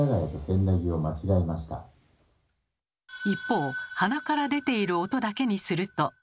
一方鼻から出ている音だけにすると。